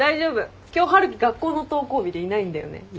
今日春樹学校の登校日でいないんだよね。